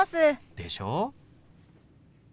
でしょ？